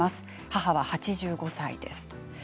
母は８５歳です。